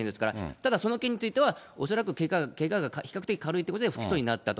ただその件については、恐らくけがが比較的軽いということで不起訴になったと。